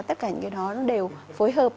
tất cả những cái đó nó đều phối hợp